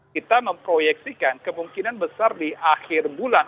kita memproyeksikan kemungkinan besar di akhir bulan